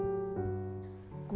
iya kita harus berani turun